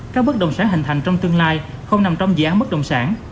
các bất động sản hình thành trong tương lai không nằm trong dự án bất động sản